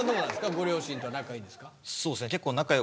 ご両親とは仲いいんですか？